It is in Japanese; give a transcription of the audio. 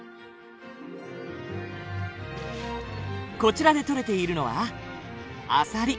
こちらで取れているのはアサリ。